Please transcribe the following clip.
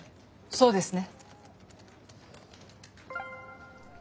そうですね。